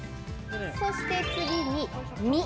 そして次に、身。